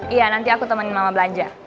iya nanti aku temenin mama belajar